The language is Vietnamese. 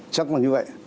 chắc là như vậy